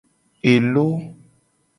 Elo.